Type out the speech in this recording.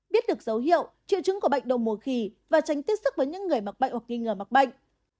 biết được dấu hiệu triệu chứng của bệnh đầu mùa khỉ và tránh tiếp xúc với những người mắc bệnh hoặc nghi ngờ mắc bệnh